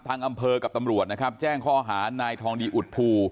อำเภอกับตำรวจนะครับแจ้งข้อหานายทองดีอุดภู